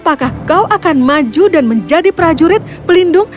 apakah kau akan maju dan menjadi prajurit pelindung